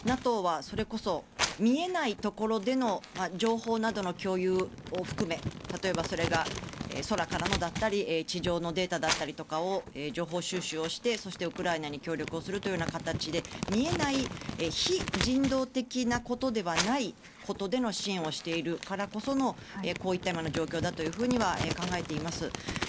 ＮＡＴＯはそれこそ見えないところでの情報などの共有を含め例えば、それが空からのだったり地上のデータだったりとかを情報収集をして、そしてウクライナに協力するという形で見えない非人道的なことではないことでの支援をしているからこそのこういった今の状況だとは考えています。